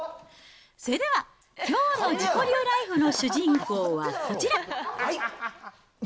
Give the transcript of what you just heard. それでは、きょうの自己流ライフの主人公はこちら。